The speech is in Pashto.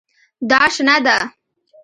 دا شنه ده